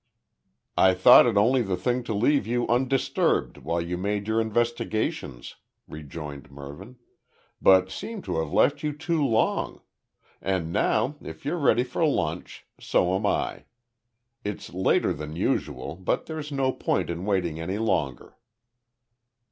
"I thought it only the thing to leave you undisturbed while you made your investigations," rejoined Mervyn, "but seem to have left you too long. And now, if you're ready for lunch so am I. It's later than usual, but there's no point in waiting any longer."